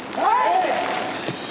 はい！